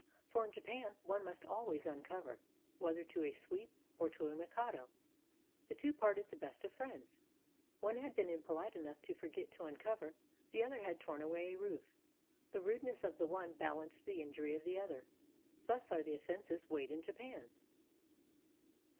For in Japan one must always uncover, whether to a sweep or to a mikado. The two parted the best of friends. One had been impolite enough to forget to uncover; the other had torn away a roof. The rude ness of the one balanced the injury of the other. Thus are offenses weighed in Japan.